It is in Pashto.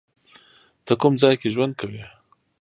ته کوم ځای کې ژوند کوی؟